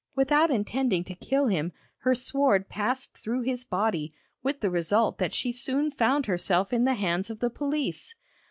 Without intending to kill him, her sword passed through his body, with the result that she soon found herself in the hands of the police.